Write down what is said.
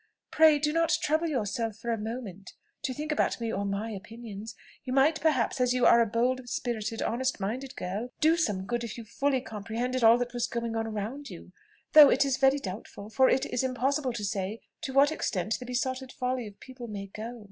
"Pray do not trouble yourself for a moment to think about me or my opinions. You might, perhaps, as you are a bold spirited, honest minded girl, do some good if you fully comprehended all that was going on around you; though it is very doubtful, for it is impossible to say to what extent the besotted folly of people may go.